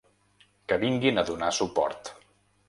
Que vinguin a donar suport.